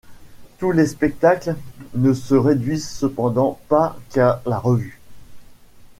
Tous les spectacles ne se réduisent cependant pas qu'à la revue.